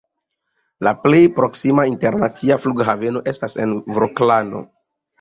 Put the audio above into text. La plej proksima internacia flughaveno estas en Vroclavo.